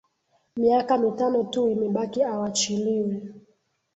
Miaka mitano tu imebaki awachiliwe